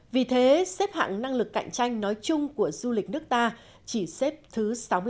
vì thế xếp hạng năng lực cạnh tranh nói chung của du lịch nước ta chỉ xếp thứ sáu mươi